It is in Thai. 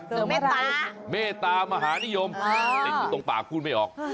เสริมเมตตาเมตตามหานิยมตรงปากคุ้นไม่ออก